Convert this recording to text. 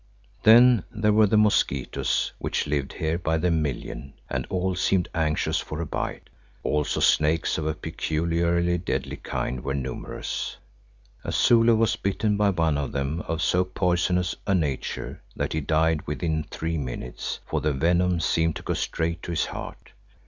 Then there were the mosquitoes which lived here by the million and all seemed anxious for a bite; also snakes of a peculiarly deadly kind were numerous. A Zulu was bitten by one of them of so poisonous a nature that he died within three minutes, for the venom seemed to go straight to his heart.